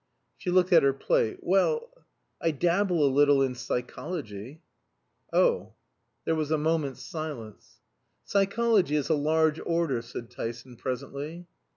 She looked at her plate. "Well, I dabble a little in psychology." "Oh!" There was a moment's silence. "Psychology is a large order," said Tyson, presently.